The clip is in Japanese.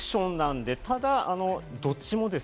でも、どっちもです。